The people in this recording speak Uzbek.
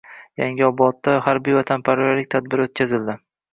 Yangiobodda harbiy vatanparvarlik tadbiri o‘tkazildi